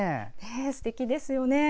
すてきですよね。